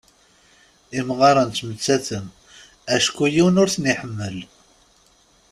Imɣaren ttmettaten acku yiwen ur ten-iḥemmel..